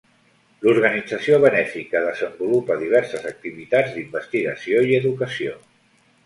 L'organització benèfica desenvolupa diverses activitats d'investigació i educació.